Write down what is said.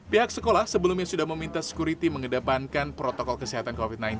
pihak sekolah sebelumnya sudah meminta sekuriti mengedepankan protokol kesehatan covid sembilan belas